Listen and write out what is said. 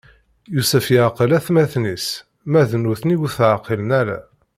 Yusef iɛqel atmaten-is, ma d nutni ur t-ɛqilen ara.